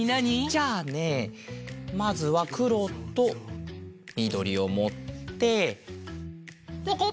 じゃあねまずはくろとみどりをもってぽこ！